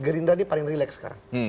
gerindra ini paling relax sekarang